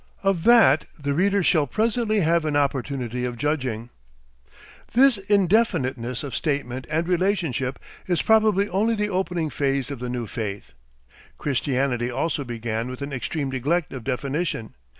Of that the reader shall presently have an opportunity of judging. This indefiniteness of statement and relationship is probably only the opening phase of the new faith. Christianity also began with an extreme neglect of definition.